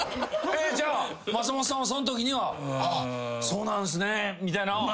じゃあ松本さんはそのときには「ああそうなんすね」みたいな。